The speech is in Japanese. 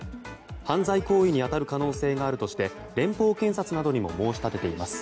犯罪行為に当たる可能性があるとして連邦検察などにも申し立てています。